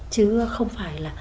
chứ không phải là